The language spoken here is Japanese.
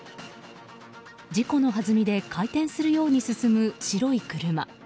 事故のはずみで回転するように進む白い車。